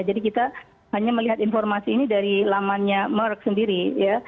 jadi kita hanya melihat informasi ini dari lamannya merck sendiri ya